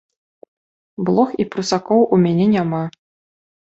Блох і прусакоў у мяне няма.